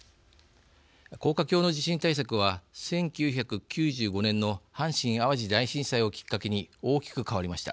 高架橋の地震対策は１９９５年の阪神・淡路大震災をきっかけに大きく変わりました。